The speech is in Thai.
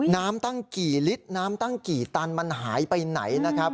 น้ำตั้งกี่ลิตรน้ำตั้งกี่ตันหายไปไหน